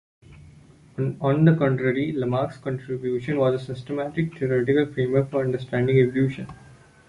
On the contrary, Lamarck's contribution was a systematic theoretical framework for understanding evolution.